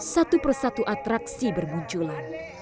satu persatu atraksi bermunculan